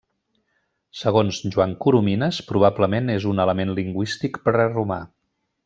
Segons Joan Coromines probablement és un element lingüístic preromà.